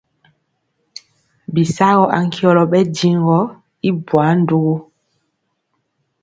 Bisagɔ ankyɔlɔ ɓɛ njiŋ gɔ i bwaa ndugu.